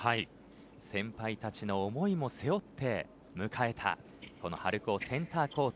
先輩たちの思いも背負って迎えた、この春高センターコート